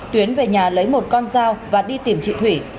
tuyến về nhà lấy một con dao và đi tìm chị thủy